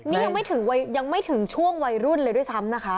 นี่ยังไม่ถึงช่วงวัยรุ่นเลยด้วยซ้ำนะคะ